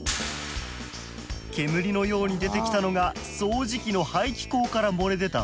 煙のように出てきたのが掃除機の排気口から漏れ出た